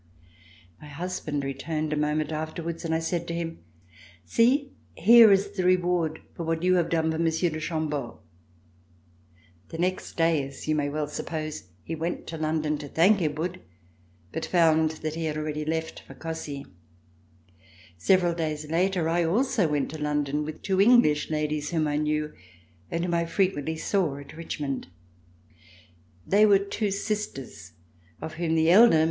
My husband returned a moment afterwards, and I said to him: "See, here is the reward for what you have done for Monsieur de Chambeau." The next day, as you may well suppose, he went to London to thank Edward but found that he had already left C 297] RECOLLECTIONS OF THE REVOLUTION for Cossey. Several days later, I also went to London with two English ladies whom I knew and whom I frequently saw at Richmond. They were two sisters, of whom the elder.